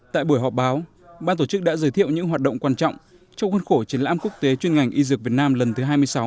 tại buổi họp báo ban tổ chức đã giới thiệu những hoạt động quan trọng trong khuôn khổ triển lãm quốc tế chuyên ngành y dược việt nam lần thứ hai mươi sáu